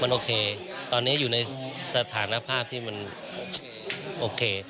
โอเคตอนนี้อยู่ในสถานภาพที่มันโอเค